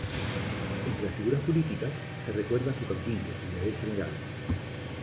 Entre las figuras políticas se recuerda a su caudillo, Brigadier Gral.